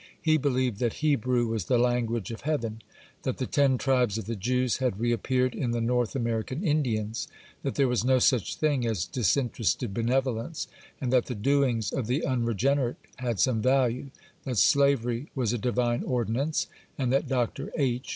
He believed that Hebrew was the language of heaven,—that the ten tribes of the Jews had reappeared in the North American Indians,—that there was no such thing as disinterested benevolence, and that the doings of the unregenerate had some value,—that slavery was a divine ordinance, and that Dr. H.